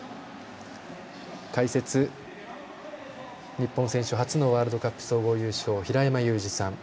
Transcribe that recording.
解説、日本選手初のワールドカップ総合優勝平山ユージさん。